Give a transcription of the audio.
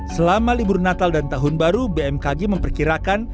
selama libur natal dan tahun baru bmkg memperkirakan